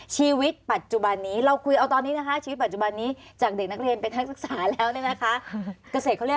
ชีวิตปัจจุบันนี้จากเด็กนักเรียนเป็นนักศึกษาแล้วนะคะ